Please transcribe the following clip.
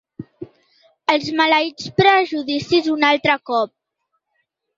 Els maleïts prejudicis, un altre cop.